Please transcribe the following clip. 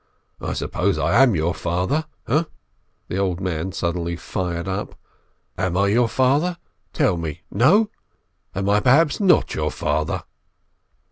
I suppose I am your father, ha?" the old man suddenly fired up. "Am I your father ? Tell me — no ? Am I perhaps not your father